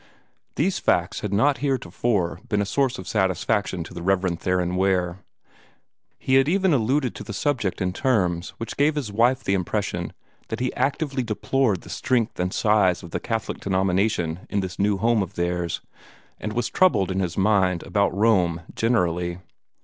These facts had not heretofore been a source of satisfaction to the Rev. Theron Ware. He had even alluded to the subject in terms which gave his wife the impression that he actively deplored the strength and size of the Catholic denomination in this new home of theirs, and was troubled in his mind about Rome generally.